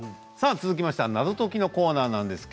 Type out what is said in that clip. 続いて謎解きのコーナーです。